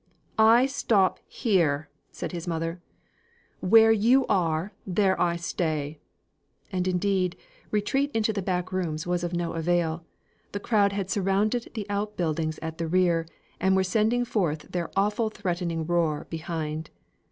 "I stop here!" said his mother. "Where you are, there I stay." And indeed, retreat into the back rooms was of no avail; the crowd had surrounded the outbuildings at the rear, and were sending forth their awful threatening roar behind.